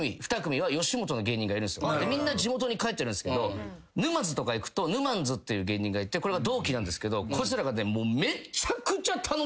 みんな地元に帰ってるんすけど沼津とか行くとぬまんづっていう芸人がいてこれが同期なんですけどこいつらがね。